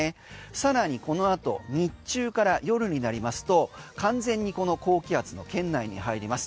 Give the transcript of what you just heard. さらに、このあと日中から夜になりますと完全にこの高気圧の圏内に入ります。